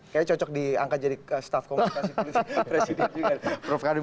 kayaknya cocok diangkat jadi staff komunikasi presiden juga